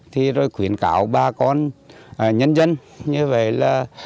thì rồi khuyến cáo bà con nhân dân như vậy là